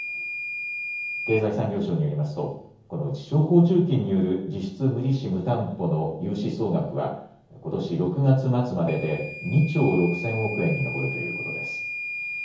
経済産業省によりますとこのうち商工中金による実質無利子・無担保の融資総額はことし６月末までで２兆６０００億円に上るということです。